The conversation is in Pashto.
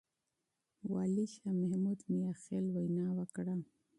والي شاه محمود مياخيل وينا وکړه.